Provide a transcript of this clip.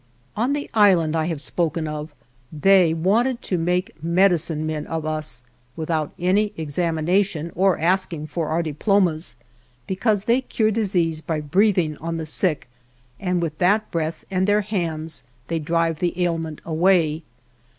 ON the island I have spoken of they wanted to make medicine men of us without any examination or ask ing for our diplomas, because they cure dis 68 ALVAR NUNEZ CABEZA DE VACA eases by breathing on the sick, and with that breath and their hands they drive the ailment away.